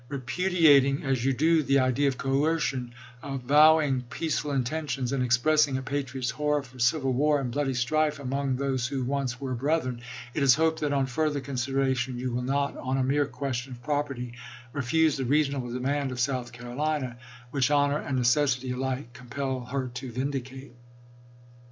.. Repudiating as you do the idea of coercion, avowing peaceful inten tions, and expressing a patriot's horror for civil war and Buchanan, bloody strife among those who once were brethren, it is "House Re1 ' hoped that on further consideration you will not, on a ^rs ^skm' mere question of property, refuse the reasonable demand 36th con ' of South Carolina, which honor and necessity alike com pel her to vindicate.